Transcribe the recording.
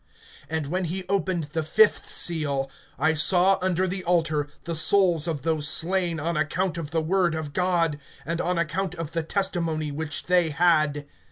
(9)And when he opened the fifth seal, I saw under the altar the souls of those slain on account of the word of God, and on account of the testimony which they had.